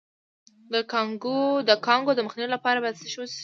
د کانګو د مخنیوي لپاره باید څه شی وڅښم؟